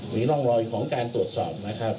มีร่องรอยของการตรวจสอบนะครับ